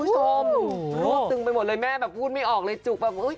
รวบตึงไปหมดเลยแม่แบบพูดไม่ออกเลยจุกแบบคือ